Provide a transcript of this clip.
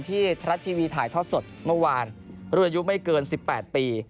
ที่ทะเลสต์ทีวีถ่ายทอดสดเมื่อวานรุนอายุไม่เกิน๑๘ปี